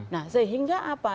nah sehingga apa